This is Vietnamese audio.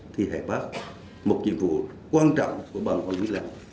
thi hài bác một nhiệm vụ quan trọng của ban quản lý lăng